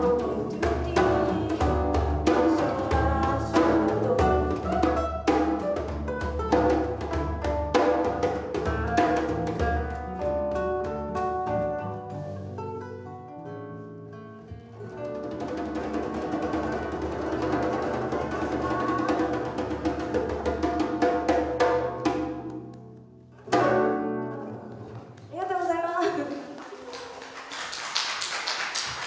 ありがとうございます！